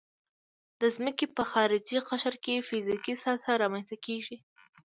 د ځمکې په خارجي قشر کې فزیکي سطحه رامنځته کیږي